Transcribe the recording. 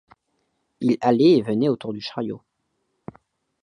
Il allait et venait autour du chariot.